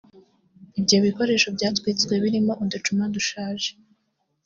Ibyo bikoresho byatwitswe birimo uducuma dushaje